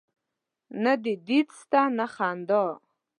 نه دي دید سته نه خندا